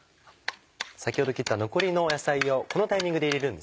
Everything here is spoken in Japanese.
先ほど切った残りの野菜をこのタイミングで入れるんですね。